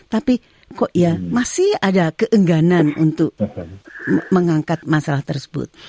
tapi kok ya masih ada keengganan untuk mengangkat masalah tersebut